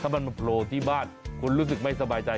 มันมาโผล่ที่บ้านคุณรู้สึกไม่สบายใจ